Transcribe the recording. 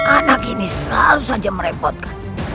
anak ini selalu saja merepotkan